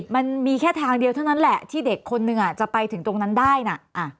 มันมีแค่ทางเดียวเท่านั้นแหละที่เด็กคนนึงจะไปถึงตรงนั้นได้นะ